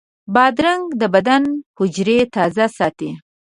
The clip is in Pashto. بادرنګ د بدن حجرې تازه ساتي.